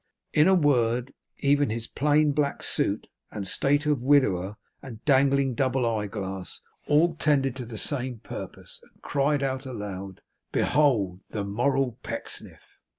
In a word, even his plain black suit, and state of widower and dangling double eye glass, all tended to the same purpose, and cried aloud, 'Behold the moral Pecksniff!